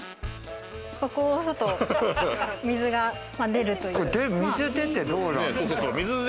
ここを押すと水が出るという。